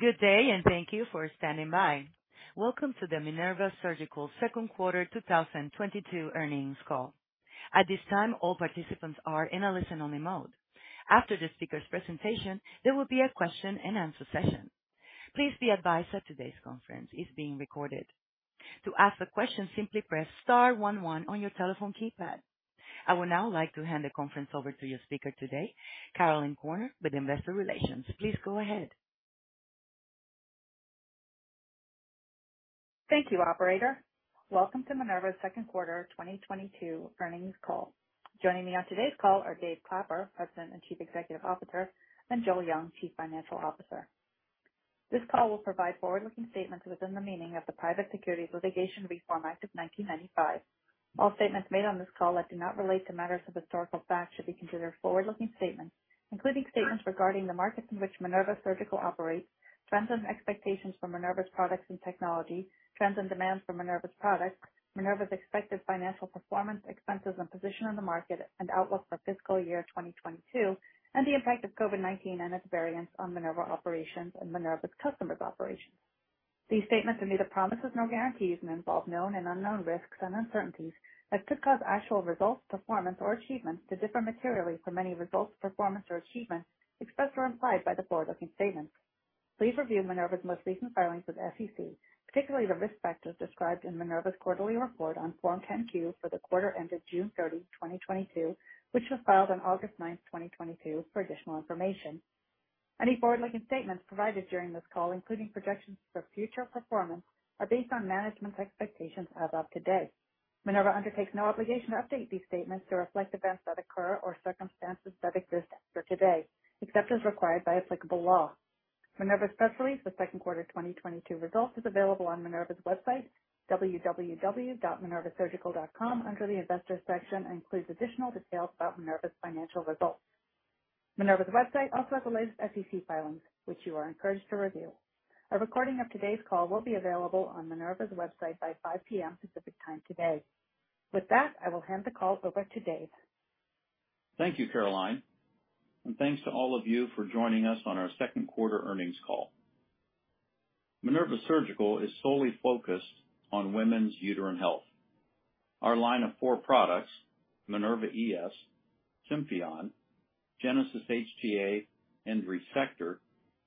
Good day, and thank you for standing by. Welcome to the Minerva Surgical Second Quarter 2022 earnings call. At this time, all participants are in a listen-only mode. After the speaker's presentation, there will be a question-and-answer session. Please be advised that today's conference is being recorded. To ask a question, simply press star one one on your telephone keypad. I would now like to hand the conference over to your speaker today, Caroline Corner with Investor Relations. Please go ahead. Thank you, operator. Welcome to Minerva's Second Quarter 2022 earnings call. Joining me on today's call are Dave Clapper, President and Chief Executive Officer, and Joel Jung, Chief Financial Officer. This call will provide forward-looking statements within the meaning of the Private Securities Litigation Reform Act of 1995. All statements made on this call that do not relate to matters of historical fact should be considered forward-looking statements, including statements regarding the markets in which Minerva Surgical operates, trends and expectations for Minerva's products and technology, trends and demands for Minerva's products, Minerva's expected financial performance, expenses, and position in the market, and outlook for fiscal year 2022, and the impact of COVID-19 and its variants on Minerva operations and Minerva's customers' operations. These statements are neither promises nor guarantees, and involve known and unknown risks and uncertainties that could cause actual results, performance, or achievements to differ materially from any results, performance, or achievements expressed or implied by the forward-looking statements. Please review Minerva's most recent filings with SEC, particularly the risk factors described in Minerva's quarterly report on Form 10-Q for the quarter ended June 30, 2022, which was filed on August 9, 2022, for additional information. Any forward-looking statements provided during this call, including projections for future performance, are based on management's expectations as of today. Minerva undertakes no obligation to update these statements to reflect events that occur or circumstances that exist after today, except as required by applicable law. Minerva's press release for second quarter 2022 results is available on Minerva's website, www.minervasurgical.com, under the Investors section, and includes additional details about Minerva's financial results. Minerva's website also has the latest SEC filings, which you are encouraged to review. A recording of today's call will be available on Minerva's website by 5:00 P.M. Pacific Time today. With that, I will hand the call over to Dave. Thank you, Caroline, and thanks to all of you for joining us on our second quarter earnings call. Minerva Surgical is solely focused on Women's Uterine Health. Our line of four products, Minerva ES, Symphion, Genesys HTA, and Resectr,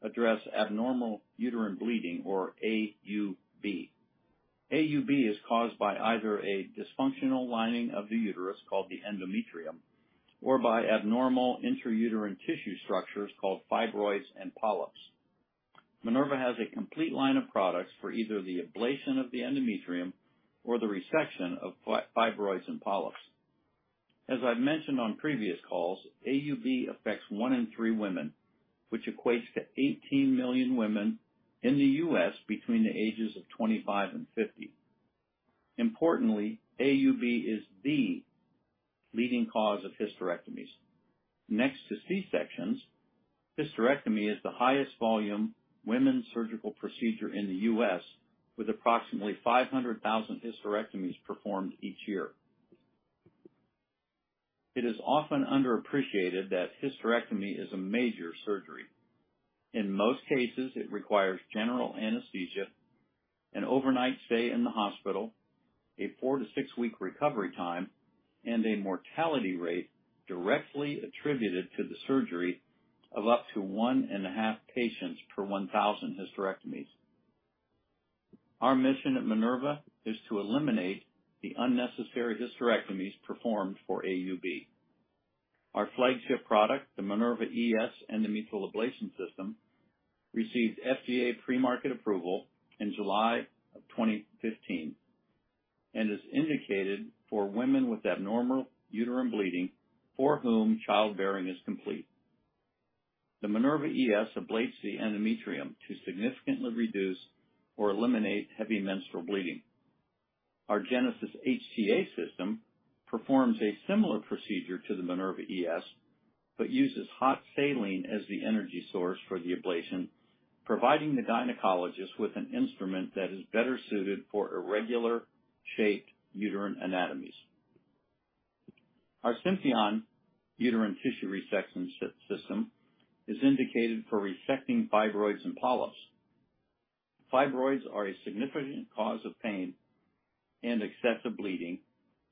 address Abnormal Uterine Bleeding, or AUB. AUB is caused by either a dysfunctional lining of the uterus, called the Endometrium, or by abnormal intrauterine tissue structures called Fibroids and Polyps. Minerva has a complete line of products for either the ablation of the Endometrium or the resection of Fibroids and Polyps. As I've mentioned on previous calls, AUB affects one in three women, which equates to 18 million women in the U.S. between the ages of 25 and 50. Importantly, AUB is the leading cause of hysterectomies. Next to C-sections, hysterectomy is the highest volume women's surgical procedure in the U.S., with approximately 500,000 hysterectomies performed each year. It is often underappreciated that hysterectomy is a major surgery. In most cases, it requires general anesthesia, an overnight stay in the hospital, a 4- week to 6-week recovery time, and a mortality rate directly attributed to the surgery of up to 1.5 patients per 1,000 hysterectomies. Our mission at Minerva is to eliminate the unnecessary hysterectomies performed for AUB. Our flagship product, the Minerva ES Endometrial Ablation System, received FDA pre-market approval in July 2015 and is indicated for women with abnormal uterine bleeding for whom childbearing is complete. The Minerva ES ablates the Endometrium to significantly reduce or eliminate heavy menstrual bleeding. Our Genesys HTA system performs a similar procedure to the Minerva ES, but uses hot saline as the energy source for the ablation, providing the gynecologist with an instrument that is better suited for irregular shaped uterine anatomies. Our Symphion uterine tissue resection system is indicated for resecting Fibroids and Polyps. Fibroids are a significant cause of pain and excessive bleeding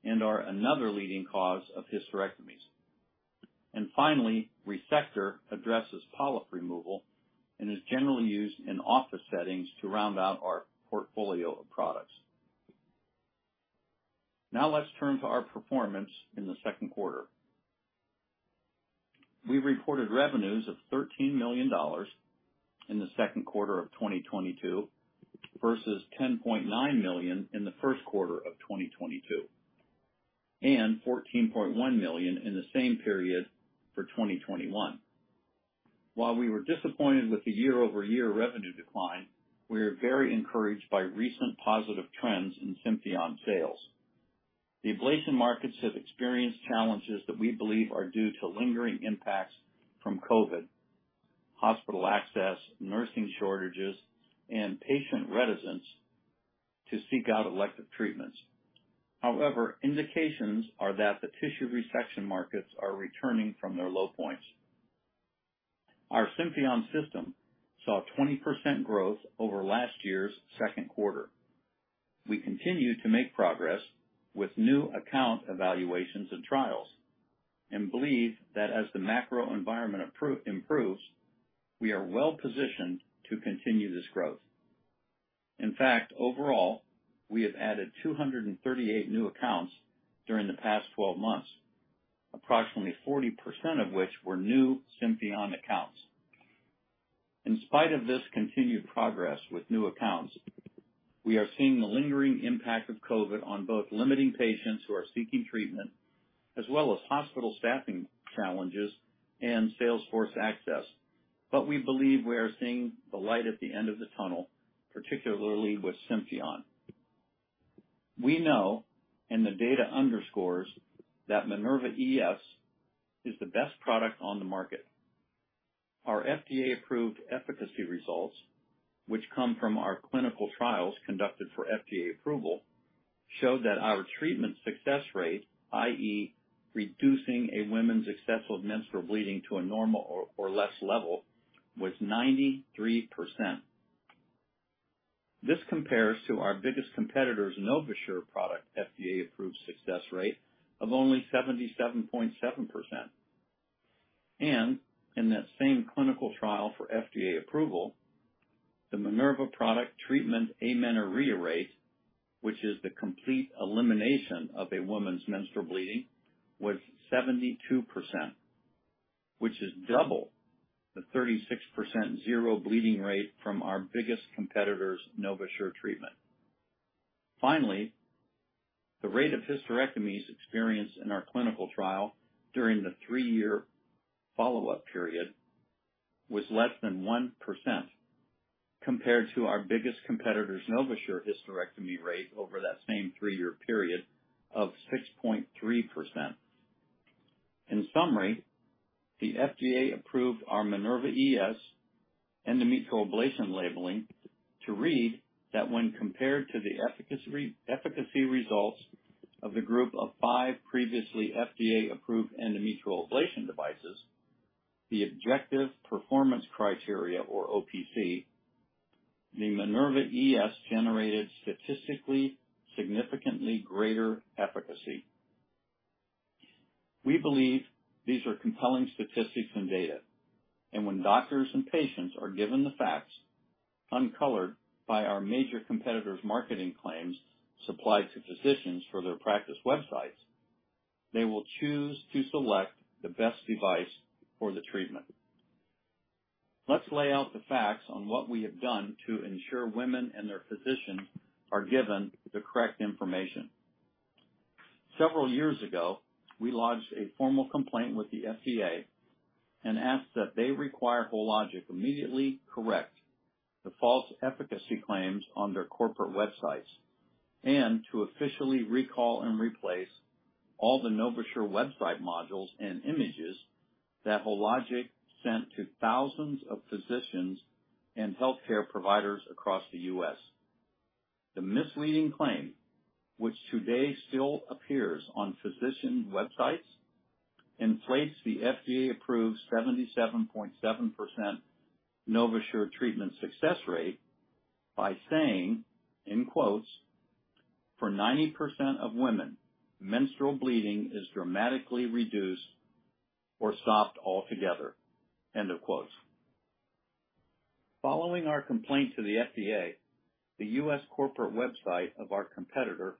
and are another leading cause of hysterectomies. Finally, Resectr addresses polyp removal and is generally used in office settings to round out our portfolio of products. Now let's turn to our performance in the second quarter. We reported revenues of $13 million in the second quarter of 2022 versus $10.9 million in the first quarter of 2022, and $14.1 million in the same period for 2021. While we were disappointed with the year-over-year revenue decline, we are very encouraged by recent positive trends in Symphion sales. The ablation markets have experienced challenges that we believe are due to lingering impacts from COVID. Hospital access, nursing shortages, and patient reticence to seek out elective treatments. However, indications are that the tissue resection markets are returning from their low points. Our Symphion system saw 20% growth over last year's second quarter. We continue to make progress with new account evaluations and trials, and believe that as the macro environment improves, we are well positioned to continue this growth. In fact, overall, we have added 238 new accounts during the past 12 months, approximately 40% of which were new Symphion accounts. In spite of this continued progress with new accounts, we are seeing the lingering impact of COVID on both limiting patients who are seeking treatment, as well as hospital staffing challenges and sales force access. We believe we are seeing the light at the end of the tunnel, particularly with Symphion. We know, and the data underscores, that Minerva ES is the best product on the market. Our FDA-approved efficacy results, which come from our clinical trials conducted for FDA approval, show that our treatment success rate, i.e., reducing a woman's excessive menstrual bleeding to a normal or less level, was 93%. This compares to our biggest competitor's NovaSure product FDA-approved success rate of only 77.7%. In that same clinical trial for FDA approval, the Minerva product treatment amenorrhea rate, which is the complete elimination of a woman's menstrual bleeding, was 72%, which is double the 36% zero bleeding rate from our biggest competitor's NovaSure treatment. Finally, the rate of hysterectomies experienced in our clinical trial during the three-year follow-up period was less than 1% compared to our biggest competitor's NovaSure hysterectomy rate over that same three-year period of 6.3%. In summary, the FDA approved our Minerva ES endometrial ablation labeling to read that when compared to the efficacy results of the group of five previously FDA-approved endometrial ablation devices, the Objective Performance Criteria or OPC, the Minerva ES generated statistically significantly greater efficacy. We believe these are compelling statistics and data, and when doctors and patients are given the facts, uncolored by our major competitor's marketing claims supplied to physicians for their practice websites, they will choose to select the best device for the treatment. Let's lay out the facts on what we have done to ensure women and their physicians are given the correct information. Several years ago, we lodged a formal complaint with the FDA and asked that they require Hologic immediately correct the false efficacy claims on their corporate websites and to officially recall and replace all the NovaSure website modules and images that Hologic sent to thousands of physicians and healthcare providers across the U.S. The misleading claim, which today still appears on physician websites, inflates the FDA-approved 77.7% NovaSure treatment success rate by saying, in quotes, "For 90% of women, menstrual bleeding is dramatically reduced or stopped altogether." End of quote. Following our complaint to the FDA, the U.S. corporate website of our competitor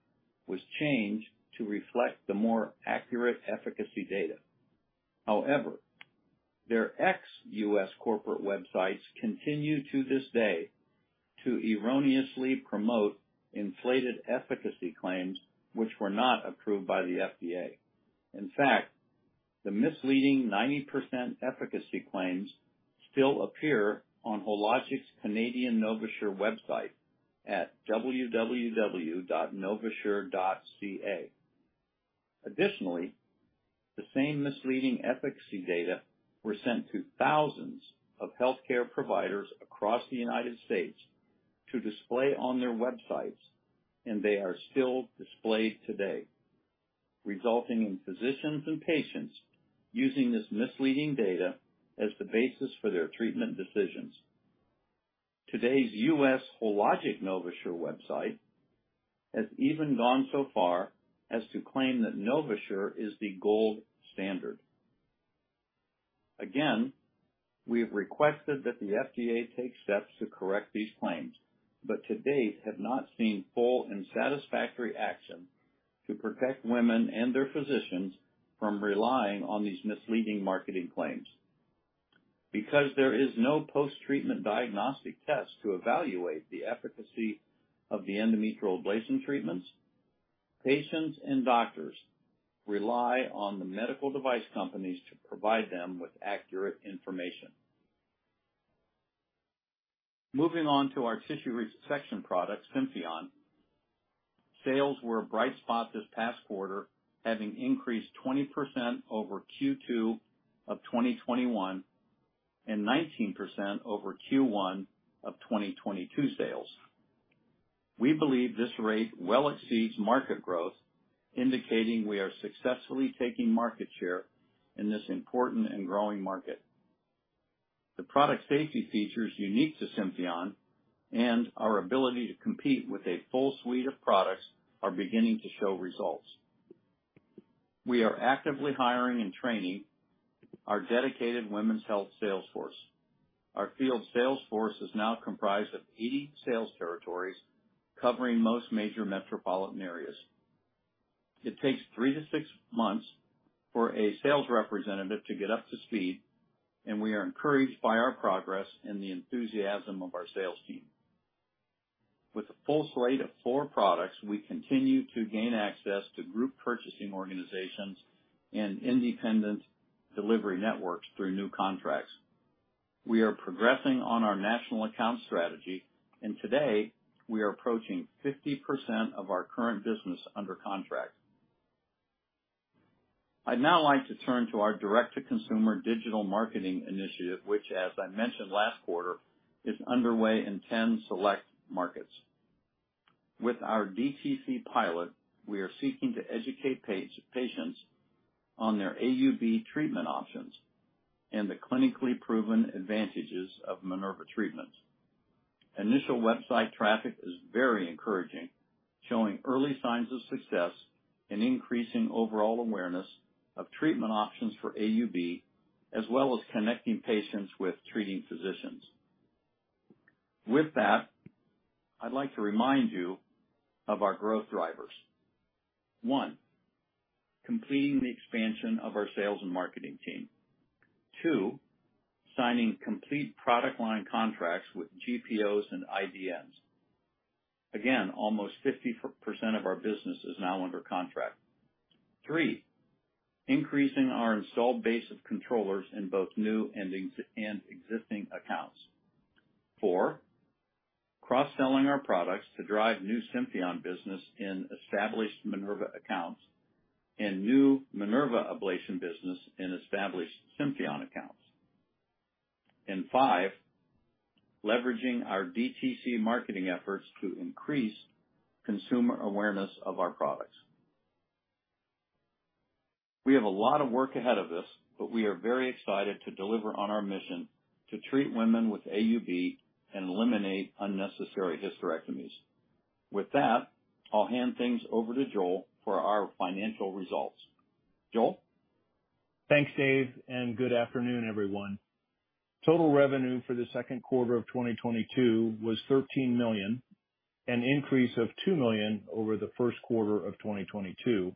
was changed to reflect the more accurate efficacy data. However, their ex-U.S. corporate websites continue to this day to erroneously promote inflated efficacy claims which were not approved by the FDA. In fact, the misleading 90% efficacy claims still appear on Hologic's Canadian NovaSure website at www.novasure.ca. Additionally, the same misleading efficacy data were sent to thousands of healthcare providers across the United States to display on their websites, and they are still displayed today, resulting in physicians and patients using this misleading data as the basis for their treatment decisions. Today's U.S. Hologic NovaSure website has even gone so far as to claim that NovaSure is the gold standard. Again, we have requested that the FDA take steps to correct these claims, but to date have not seen full and satisfactory action to protect women and their physicians from relying on these misleading marketing claims. Because there is no post-treatment diagnostic test to evaluate the efficacy of the endometrial ablation treatments, patients and doctors rely on the medical device companies to provide them with accurate information. Moving on to our tissue resection product, Symphion. Sales were a bright spot this past quarter, having increased 20% over Q2 of 2021 and 19% over Q1 of 2022 sales. We believe this rate well exceeds market growth, indicating we are successfully taking market share in this important and growing market. The product safety features unique to Symphion and our ability to compete with a full suite of products are beginning to show results. We are actively hiring and training our dedicated women's health sales force. Our field sales force is now comprised of 80 sales territories covering most major metropolitan areas. It takes three to six months for a sales representative to get up to speed, and we are encouraged by our progress and the enthusiasm of our sales team. With a full slate of four products, we continue to gain access to group purchasing organizations and independent delivery networks through new contracts. We are progressing on our national account strategy, and today we are approaching 50% of our current business under contract. I'd now like to turn to our direct-to-consumer digital marketing initiative, which, as I mentioned last quarter, is underway in 10 select markets. With our DTC pilot, we are seeking to educate patients on their AUB treatment options and the clinically proven advantages of Minerva treatments. Initial website traffic is very encouraging, showing early signs of success in increasing overall awareness of treatment options for AUB, as well as connecting patients with treating physicians. With that, I'd like to remind you of our growth drivers. One, completing the expansion of our sales and marketing team. Two, signing complete product line contracts with GPOs and IDNs. Again, almost 50% of our business is now under contract. Three, increasing our installed base of controllers in both new and existing accounts. Four, cross-selling our products to drive new Symphion business in established Minerva accounts and new Minerva ablation business in established Symphion accounts. Five, leveraging our DTC marketing efforts to increase consumer awareness of our products. We have a lot of work ahead of us, but we are very excited to deliver on our mission to treat women with AUB and eliminate unnecessary hysterectomies. With that, I'll hand things over to Joel for our financial results. Joel? Thanks, Dave, and good afternoon, everyone. Total revenue for the second quarter of 2022 was $13 million, an increase of $2 million over the first quarter of 2022,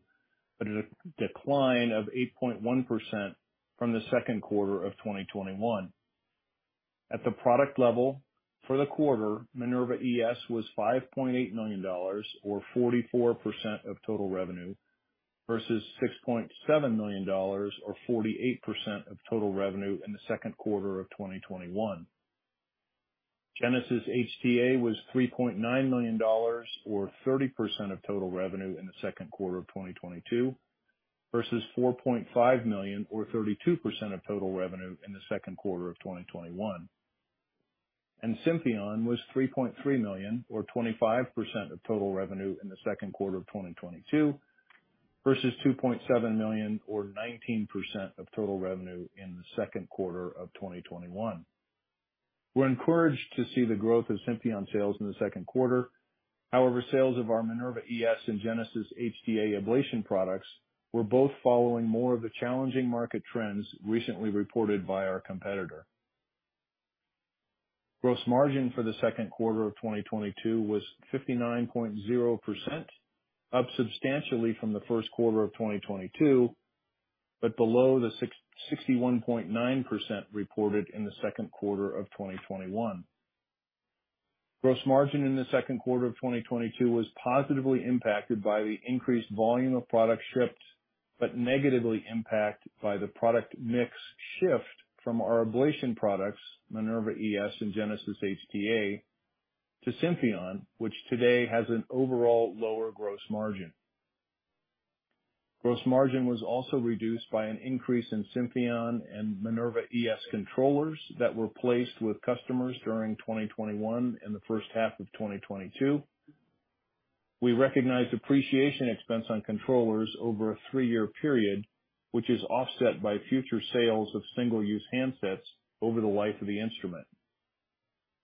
but a decline of 8.1% from the second quarter of 2021. At the product level, for the quarter, Minerva ES was $5.8 million or 44% of total revenue, versus $6.7 million or 48% of total revenue in the second quarter of 2021. Genesys HTA was $3.9 million or 30% of total revenue in the second quarter of 2022, versus $4.5 million or 32% of total revenue in the second quarter of 2021. Symphion was $3.3 million or 25% of total revenue in the second quarter of 2022 versus $2.7 million or 19% of total revenue in the second quarter of 2021. We're encouraged to see the growth of Symphion sales in the second quarter. However, sales of our Minerva ES and Genesys HTA ablation products were both following more of the challenging market trends recently reported by our competitor. Gross margin for the second quarter of 2022 was 59.0%, up substantially from the first quarter of 2022, but below the 61.9% reported in the second quarter of 2021. Gross margin in the second quarter of 2022 was positively impacted by the increased volume of products shipped, but negatively impacted by the product mix shift from our ablation products, Minerva ES and Genesys HTA, to Symphion, which today has an overall lower gross margin. Gross margin was also reduced by an increase in Symphion and Minerva ES controllers that were placed with customers during 2021 and the first half of 2022. We recognized depreciation expense on controllers over a three-year period, which is offset by future sales of single-use handsets over the life of the instrument.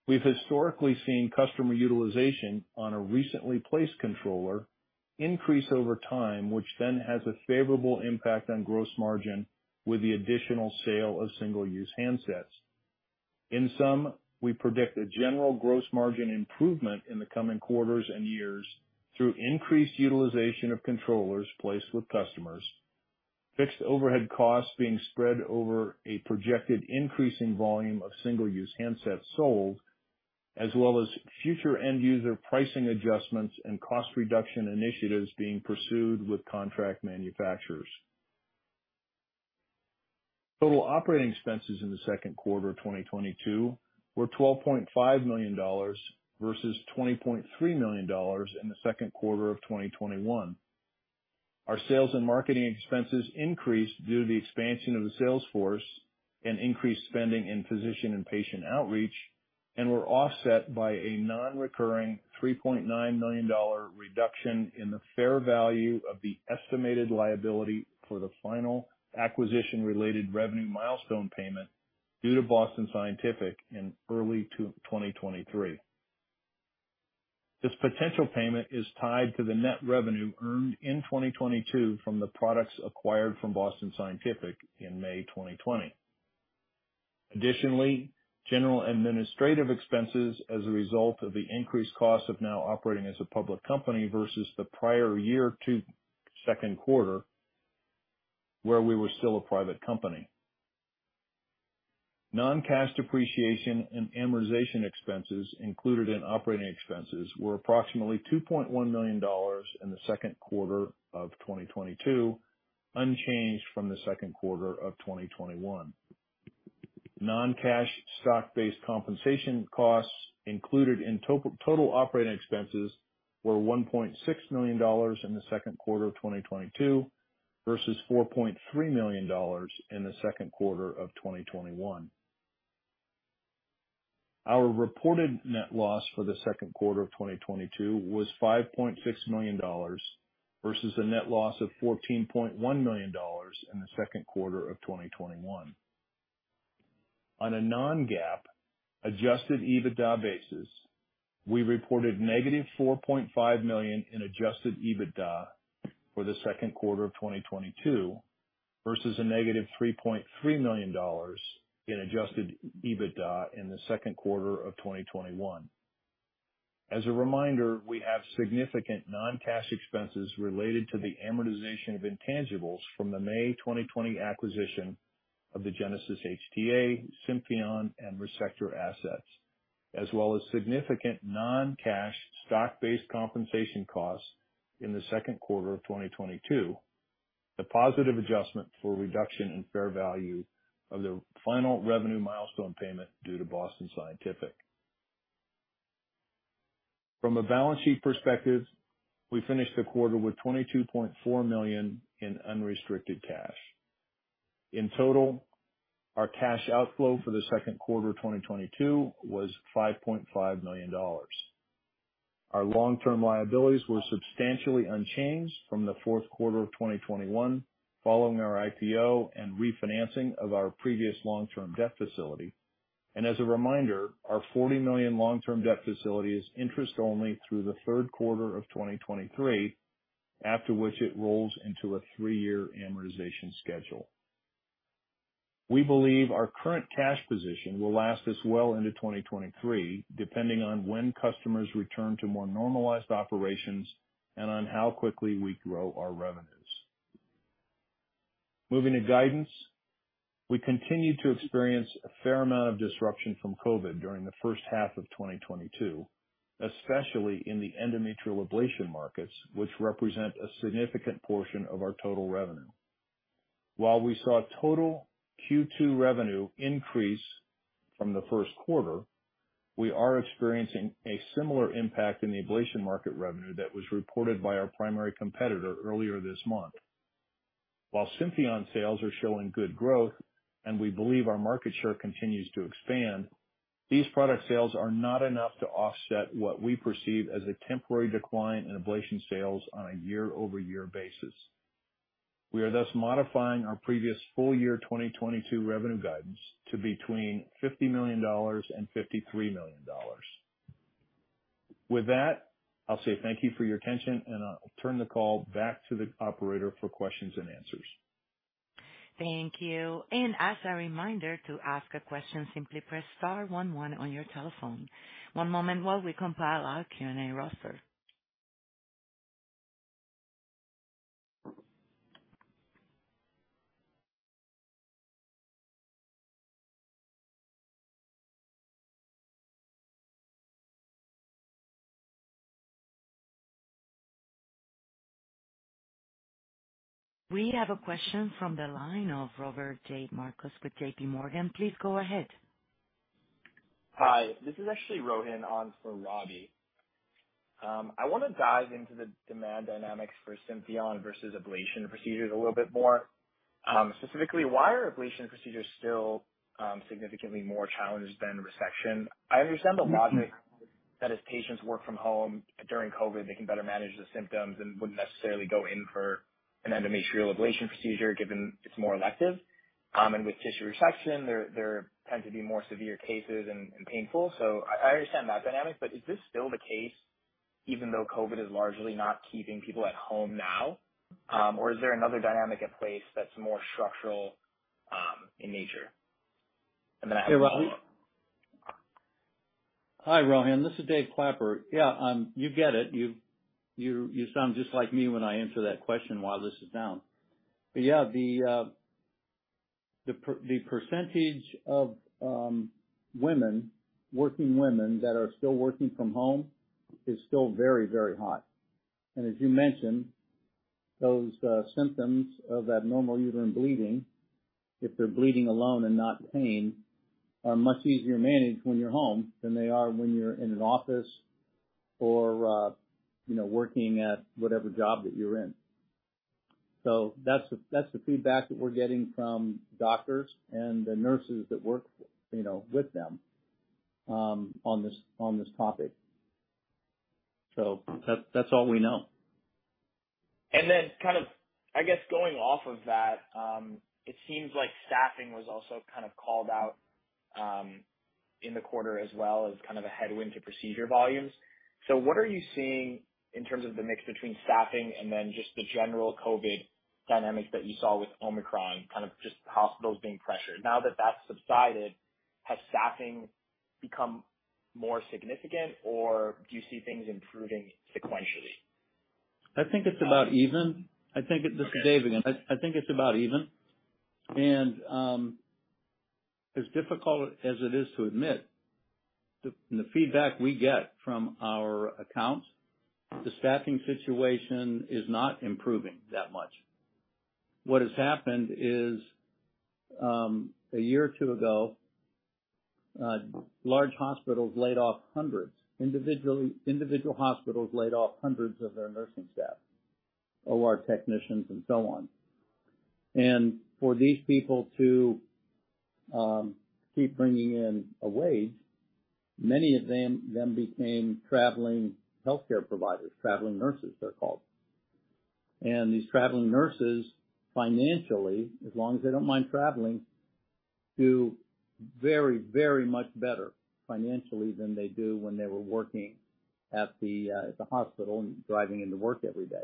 We've historically seen customer utilization on a recently placed controller increase over time, which then has a favorable impact on gross margin with the additional sale of single-use handpieces. In sum, we predict a general gross margin improvement in the coming quarters and years through increased utilization of controllers placed with customers, fixed overhead costs being spread over a projected increasing volume of single use handsets sold, as well as future end user pricing adjustments and cost reduction initiatives being pursued with contract manufacturers. Total operating expenses in the second quarter of 2022 were $12.5 million versus $20.3 million in the second quarter of 2021. Our sales and marketing expenses increased due to the expansion of the sales force and increased spending in physician and patient outreach and were offset by a non-recurring $3.9 million reduction in the fair value of the estimated liability for the final acquisition-related revenue milestone payment due to Boston Scientific in early 2023. This potential payment is tied to the net revenue earned in 2022 from the products acquired from Boston Scientific in May 2020. Additionally, general administrative expenses as a result of the increased cost of now operating as a public company versus the prior year to second quarter, where we were still a private company. Non-cash depreciation and amortization expenses included in operating expenses were approximately $2.1 million in the second quarter of 2022, unchanged from the second quarter of 2021. Non-cash stock-based compensation costs included in total operating expenses were $1.6 million in the second quarter of 2022 versus $4.3 million in the second quarter of 2021. Our reported net loss for the second quarter of 2022 was $5.6 million versus a net loss of $14.1 million in the second quarter of 2021. On a non-GAAP Adjusted EBITDA basis, we reported -$4.5 million in Adjusted EBITDA for the second quarter of 2022 versus a -$3.3 million in Adjusted EBITDA in the second quarter of 2021. As a reminder, we have significant non-cash expenses related to the amortization of intangibles from the May 2020 acquisition of the Genesys HTA, Symphion and Resectr assets, as well as significant non-cash stock-based compensation costs in the second quarter of 2022, the positive adjustment for reduction in fair value of the final revenue milestone payment due to Boston Scientific. From a balance sheet perspective, we finished the quarter with $22.4 million in unrestricted cash. In total, our cash outflow for the second quarter of 2022 was $5.5 million. Our long-term liabilities were substantially unchanged from the fourth quarter of 2021 following our IPO and refinancing of our previous long-term debt facility. As a reminder, our $40 million long-term debt facility is interest only through the third quarter of 2023, after which it rolls into a 3-year amortization schedule. We believe our current cash position will last us well into 2023, depending on when customers return to more normalized operations and on how quickly we grow our revenues. Moving to guidance. We continued to experience a fair amount of disruption from COVID during the first half of 2022, especially in the endometrial ablation markets, which represent a significant portion of our total revenue. While we saw total Q2 revenue increase from the first quarter, we are experiencing a similar impact in the ablation market revenue that was reported by our primary competitor earlier this month. While Symphion sales are showing good growth and we believe our market share continues to expand, these product sales are not enough to offset what we perceive as a temporary decline in ablation sales on a year-over-year basis. We are thus modifying our previous full year 2022 revenue guidance to between $50 million-$53 million. With that, I'll say thank you for your attention, and I'll turn the call back to the operator for questions and answers. Thank you. As a reminder to ask a question, simply press star one one on your telephone. One moment while we compile our Q&A roster. We have a question from the line of Robert J. Marcus with JPMorgan. Please go ahead. Hi. This is actually Rohin on for Robert. I wanna dive into the demand dynamics for Symphion versus ablation procedures a little bit more. Specifically, why are ablation procedures still significantly more challenged than resection? I understand the logic that as patients work from home during COVID, they can better manage the symptoms and wouldn't necessarily go in for an endometrial ablation procedure given it's more elective. With tissue resection there tend to be more severe cases and painful. I understand that dynamic, but is this still the case even though COVID is largely not keeping people at home now? Is there another dynamic in place that's more structural in nature? I have one more. Hi, Rohin. This is Dave Clapper. Yeah, you get it. You sound just like me when I answer that question while this is down. But yeah, the percentage of women, working women that are still working from home is still very high. As you mentioned, those symptoms of abnormal uterine bleeding, if they're bleeding alone and not pain, are much easier managed when you're home than they are when you're in an office or, you know, working at whatever job that you're in. That's the feedback that we're getting from doctors and the nurses that work, you know, with them, on this topic. That's all we know. Kind of, I guess, going off of that, it seems like staffing was also kind of called out in the quarter as well as kind of a headwind to procedure volumes. What are you seeing in terms of the mix between staffing and then just the general COVID dynamics that you saw with Omicron, kind of just hospitals being pressured? Now that that's subsided, has staffing become more significant or do you see things improving sequentially? I think it's about even. This is Dave again. I think it's about even. As difficult as it is to admit, the feedback we get from our accounts, the staffing situation is not improving that much. What has happened is, a year or two ago, large hospitals laid off hundreds. Individual hospitals laid off hundreds of their nursing staff, OR technicians and so on. For these people to keep bringing in a wage, many of them then became traveling healthcare providers, traveling nurses they're called. These traveling nurses financially, as long as they don't mind traveling, do very much better financially than they do when they were working at the hospital and driving into work every day.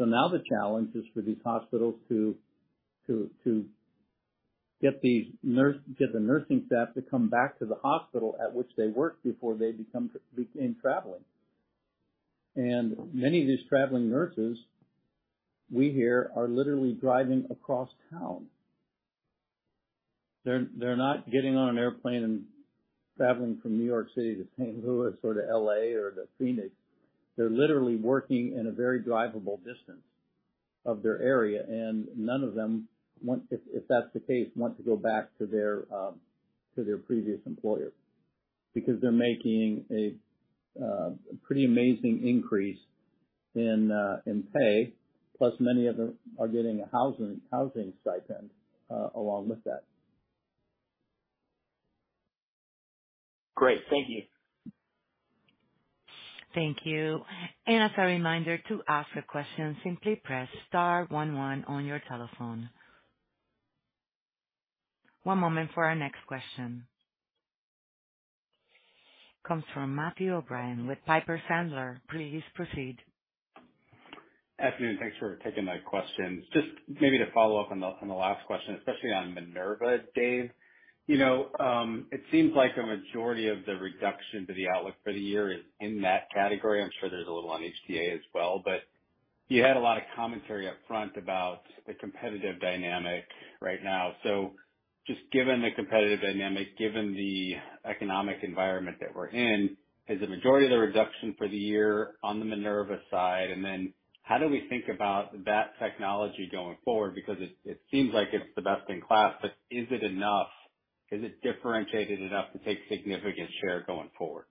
Now the challenge is for these hospitals to get the nursing staff to come back to the hospital at which they worked before they became traveling. Many of these traveling nurses, we hear, are literally driving across town. They're not getting on an airplane and traveling from New York City to St. Louis or to L.A. or to Phoenix. They're literally working in a very drivable distance of their area, and none of them want, if that's the case, to go back to their previous employer, because they're making a pretty amazing increase in pay, plus many of them are getting a housing stipend along with that. Great. Thank you. Thank you. As a reminder to ask a question, simply press star one one on your telephone. One moment for our next question. Comes from Matthew O'Brien with Piper Sandler. Please proceed. Afternoon. Thanks for taking my questions. Just maybe to follow up on the last question, especially on Minerva, Dave. You know, it seems like a majority of the reduction to the outlook for the year is in that category. I'm sure there's a little on HTA as well, but you had a lot of commentary up front about the competitive dynamic right now. So just given the competitive dynamic, given the economic environment that we're in, is the majority of the reduction for the year on the Minerva side? And then how do we think about that technology going forward? Because it seems like it's the best in class, but is it enough? Is it differentiated enough to take significant share going forward?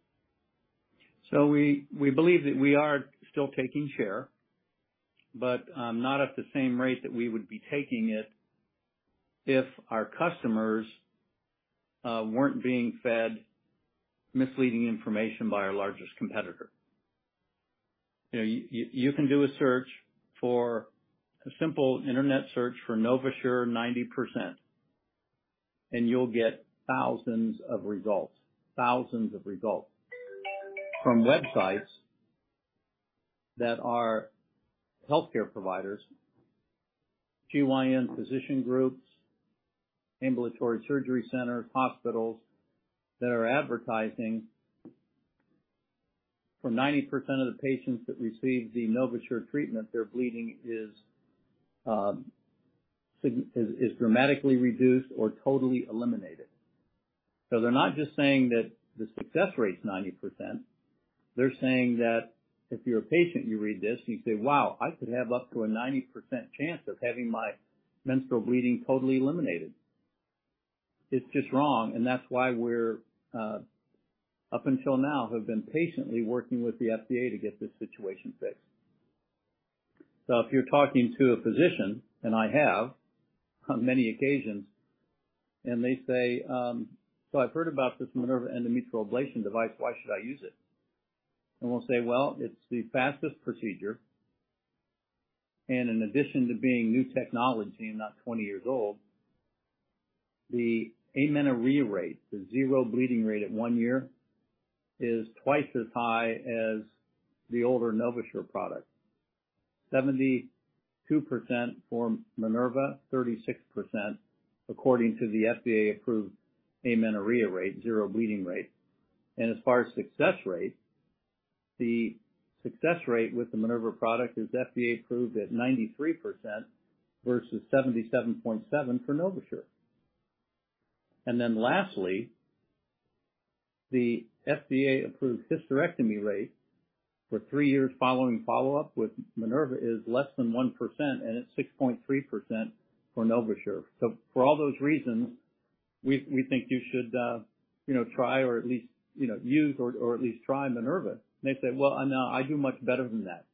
We believe that we are still taking share, but not at the same rate that we would be taking it if our customers weren't being fed misleading information by our largest competitor. You know, you can do a simple internet search for NovaSure 90%, and you'll get thousands of results from websites that are healthcare providers, GYN physician groups, ambulatory surgery centers, hospitals that are advertising for 90% of the patients that receive the NovaSure treatment, their bleeding is dramatically reduced or totally eliminated. They're not just saying that the success rate's 90%. They're saying that if you're a patient, you read this and you say, "Wow, I could have up to a 90% chance of having my menstrual bleeding totally eliminated." It's just wrong, and that's why we're up until now have been patiently working with the FDA to get this situation fixed. If you're talking to a physician, and I have on many occasions, and they say, "So I've heard about this Minerva endometrial ablation device, why should I use it?" We'll say, "Well, it's the fastest procedure. In addition to being new technology and not 20 years old, the amenorrhea rate, the zero bleeding rate at one year, is twice as high as the older NovaSure product. 72% for Minerva, 36% according to the FDA-approved amenorrhea rate, zero bleeding rate. As far as success rate, the success rate with the Minerva product is FDA approved at 93% versus 77.7% for NovaSure. Lastly, the FDA approved hysterectomy rate for 3 years following follow-up with Minerva is less than 1%, and it's 6.3% for NovaSure. For all those reasons, we think you should, you know, try or at least use or at least try Minerva. They say, "Well, no, I do much better than that."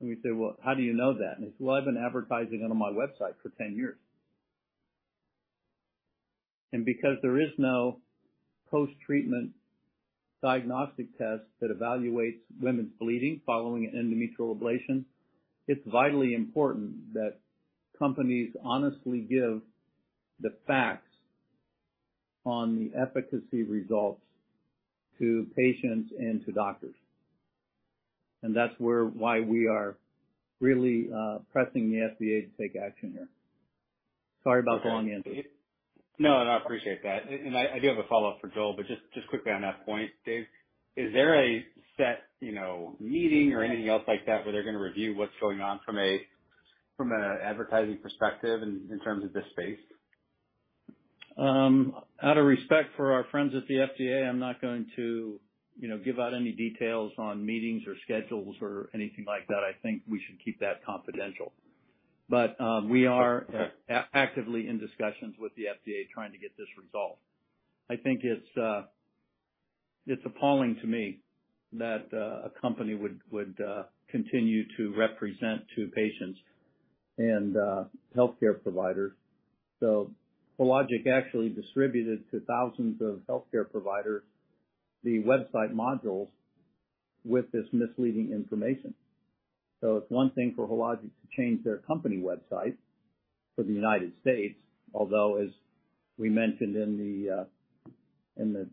We say, "Well, how do you know that?" He said, "Well, I've been advertising it on my website for 10 years." Because there is no post-treatment diagnostic test that evaluates women's bleeding following an endometrial ablation, it's vitally important that companies honestly give the facts on the efficacy results to patients and to doctors. That's where why we are really pressing the FDA to take action here. Sorry about the long answer. No, and I appreciate that. I do have a follow-up for Joel, but just quickly on that point. Dave, is there a set, you know, meeting or anything else like that where they're gonna review what's going on from an advertising perspective in terms of this space? Out of respect for our friends at the FDA, I'm not going to, you know, give out any details on meetings or schedules or anything like that. I think we should keep that confidential. We are actively in discussions with the FDA trying to get this resolved. I think it's appalling to me that a company would continue to represent to patients and healthcare providers. Hologic actually distributed to thousands of healthcare providers the website modules with this misleading information. It's one thing for Hologic to change their company website for the United States, although, as we mentioned in the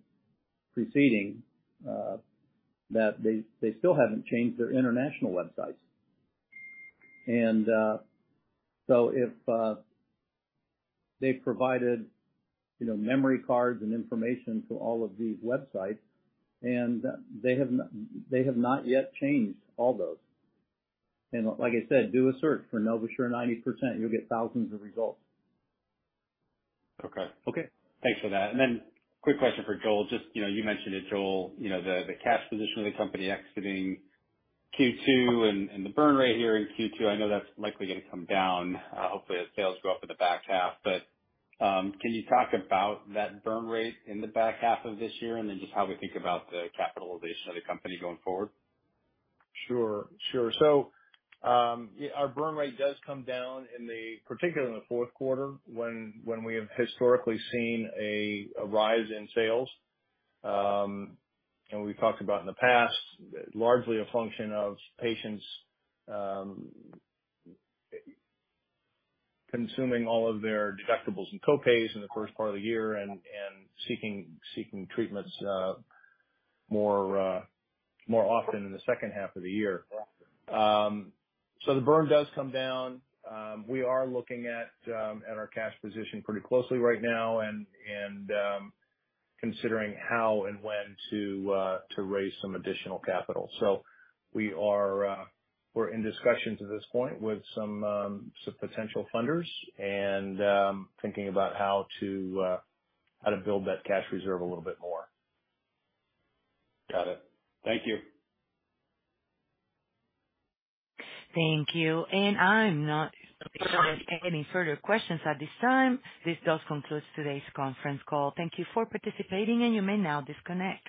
preceding, that they still haven't changed their international websites. If they provided, you know, memory cards and information to all of these websites, and they have not yet changed all those. Like I said, do a search for NovaSure 90%, you'll get thousands of results. Okay, thanks for that. Quick question for Joel. Just, you know, you mentioned it, Joel, you know, the cash position of the company exiting Q2 and the burn rate here in Q2. I know that's likely gonna come down, hopefully, as sales go up in the back half. Can you talk about that burn rate in the back half of this year? Just how we think about the capitalization of the company going forward? Our burn rate does come down, particularly in the fourth quarter when we have historically seen a rise in sales. We've talked about in the past, largely a function of patients consuming all of their deductibles and co-pays in the first part of the year and seeking treatments more often in the second half of the year. The burn does come down. We are looking at our cash position pretty closely right now and considering how and when to raise some additional capital. We are in discussions at this point with some potential funders and thinking about how to build that cash reserve a little bit more. Got it. Thank you. Thank you. I have no further questions at this time. This does conclude today's conference call. Thank you for participating, and you may now disconnect.